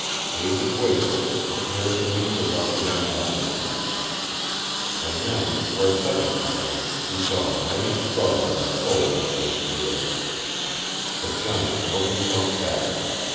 David waited, prepared to meet the rush of a madman. And then, for a second time, he saw a mighty struggle in the soul of St. Pierre. The giant held himself back.